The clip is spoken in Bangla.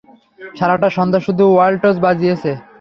সারাটা সন্ধ্যা শুধু ওয়াল্টজ বাজিয়েছে।